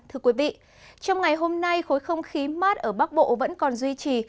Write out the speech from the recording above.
thưa quý vị trong ngày hôm nay khối không khí mát ở bắc bộ vẫn còn duy trì